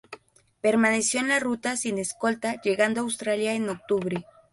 Permaneció en la ruta, sin escolta, llegando a Australia en octubre.